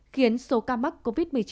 khiến số ca mắc covid một mươi chín